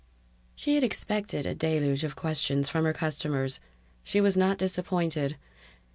She had expected a deluge of questions from her customers. She was not disappointed.